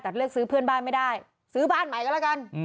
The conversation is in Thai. แต่เลือกซื้อเพื่อนบ้านไม่ได้ซื้อบ้านใหม่ก็แล้วกัน